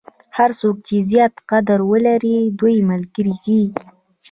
هر څوک چې زیات قدرت ولري دوی ملګري کېږي.